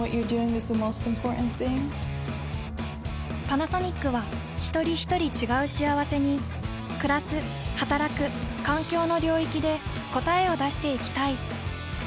パナソニックはひとりひとり違う幸せにくらすはたらく環境の領域で答えを出していきたい。